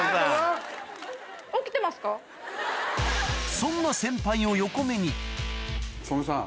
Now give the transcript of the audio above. そんな先輩を横目に曽根さん。